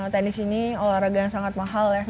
tenis ini olahraga yang sangat mahal ya